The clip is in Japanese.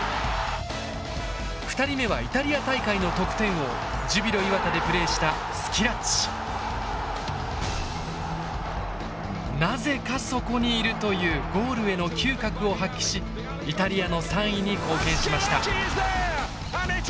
２人目はイタリア大会の得点王ジュビロ磐田でプレーしたなぜかそこにいるというゴールへの嗅覚を発揮しイタリアの３位に貢献しました。